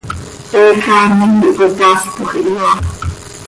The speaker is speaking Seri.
He caanim quih cöicaaspoj ihyoaa.